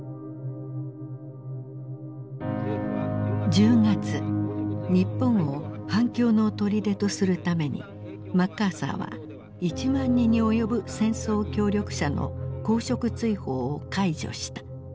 １０月日本を反共のとりでとするためにマッカーサーは１万人に及ぶ戦争協力者の公職追放を解除した。